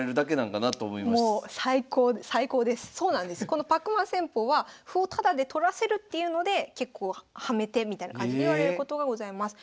このパックマン戦法は歩をタダで取らせるっていうので結構ハメ手みたいな感じでいわれることがございます。